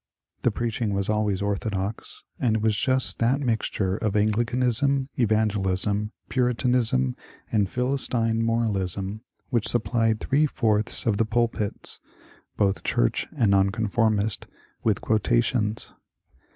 The preaching was always orthodox, and it was just that mixture of Angli canism, Evangelism, Puritanism, and PhiUstine moralism which supplied three fourths of the pulpits (both Church and Nonconformist) with quotations.